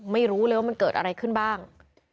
ไม่รู้เลยว่ามันเกิดอะไรขึ้นบ้าง